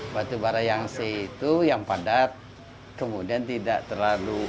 batubara yang si itu yang padat kemudian tidak terlalu